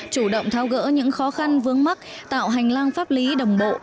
chủ động tháo gỡ những khó khăn vướng mắt tạo hành lang pháp lý đồng bộ